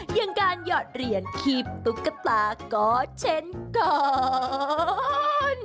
อย่างการหยอดเหรียญขีบตุ๊กตาก็เช่นก่อน